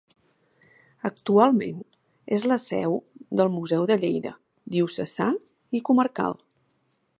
Actualment és la seu del Museu de Lleida Diocesà i Comarcal.